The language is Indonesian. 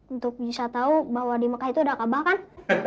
untuk bisa tahu bahwa di mekah itu ada kabah kan